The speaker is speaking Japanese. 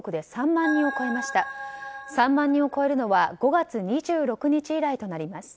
３万人を超えるのは５月２６日以来となります。